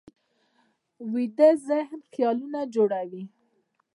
ویده ذهن خیالونه جوړوي